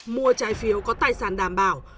mua trái phiếu có tài sản đảm bảo